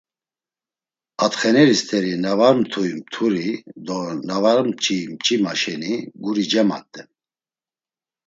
Atxeneri st̆eri na var mtuy mturi do na var mç̌iy mç̌ima şeni, guri cemat̆en!